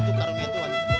itu karunia tuhan